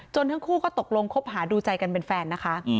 ทั้งคู่ก็ตกลงคบหาดูใจกันเป็นแฟนนะคะ